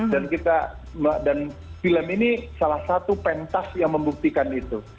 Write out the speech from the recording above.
dan kita dan film ini salah satu pentas yang membuktikan itu